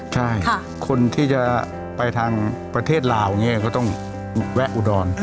ใช่คนที่จะไปทางประเทศลาวอย่างนี้ก็ต้องแวะอุดร